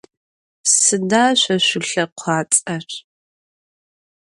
Sıda şso şsulhekhuats'er?